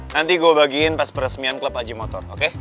nanti gue bagiin pas peresmian klub aji motor oke